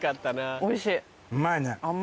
うまいね。